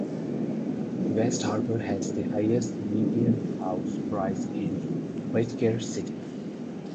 West Harbour has the highest median house price in Waitakere City.